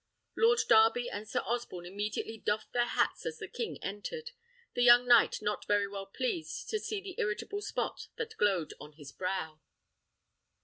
Lord Darby and Sir Osborne immediately doffed their hats as the king entered, the young knight not very well pleased to see the irritable spot that glowed on his brow.